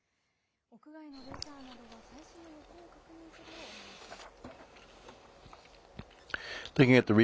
屋外のレジャーなどは最新の予報を確認するようお願いします。